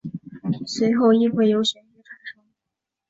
随后议会由选举产生。